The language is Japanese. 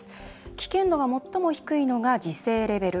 危険度が最も低いのが自制レベル。